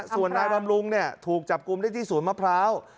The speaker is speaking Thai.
ส่วนนายบำรุงถูกจับกลุ่มได้ที่สวนมะพร้าว